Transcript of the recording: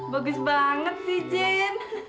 bagus banget sih jen